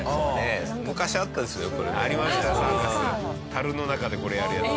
たるの中でこれやるやつ。